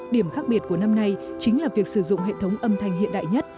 điểm khác biệt của năm nay chính là việc sử dụng hệ thống âm thanh hiện đại nhất